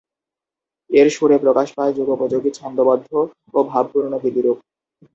এর সুরে প্রকাশ পায় যুগোপযোগী ছন্দোবদ্ধ ও ভাবপূর্ণ গীতিরূপ।